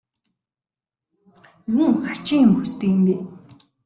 Юун хачин юм хүсдэг юм бэ?